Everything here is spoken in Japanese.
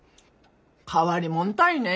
変わりもんたいね。